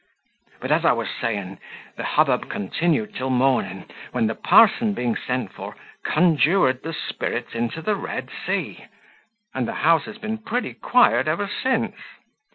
But, as I was saying, the hubbub continued till morning, when the parson being sent for, conjured the spirits into the Red Sea; and the house has been pretty quiet ever since.